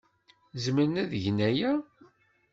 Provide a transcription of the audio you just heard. Zemren ad gen aya.